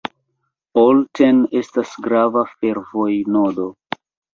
Olten estas grava fervoj-nodo.